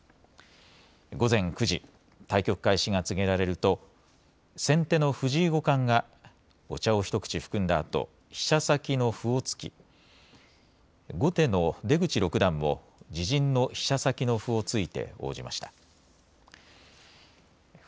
午前９時、対局開始が告げられると先手の藤井五冠がお茶を一口含んだあと飛車先の歩を突き後手の出口六段も自陣の飛車先の歩を突いて応じました。